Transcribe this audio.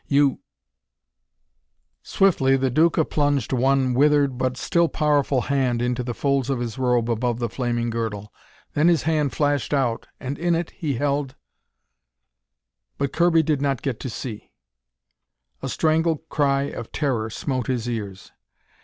You " Swiftly the Duca plunged one withered but still powerful hand into the folds of his robe above the flaming girdle. Then his hand flashed out, and in it he held But Kirby did not get to see. A strangled cry of terror smote his ears.